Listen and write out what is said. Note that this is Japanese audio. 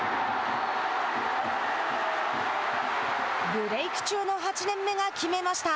ブレーク中の８年目が決めました。